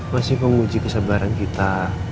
masih penguji kesebaran kita